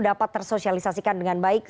dapat tersosialisasikan dengan baik